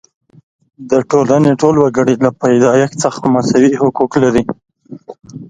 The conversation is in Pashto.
د ټولنې ټول وګړي له پیدایښت څخه مساوي حقوق لري.